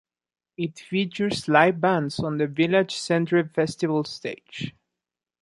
It features live bands on the Village Centre Festival Stage.